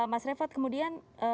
mas revaat kemudian